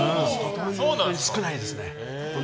少ないですね。